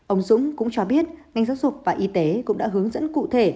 ông dũng cũng cho biết ngành giáo dục và y tế cũng đã hướng dẫn cụ thể